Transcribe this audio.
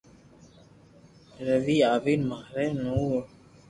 ريو ي آوين ماري نو ر